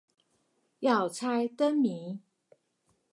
要猜燈謎